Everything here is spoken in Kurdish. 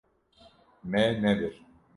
Me nebir.